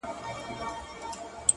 • زه د جنتونو و اروا ته مخامخ يمه ـ